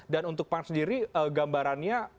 dan untuk pak sendiri gambarannya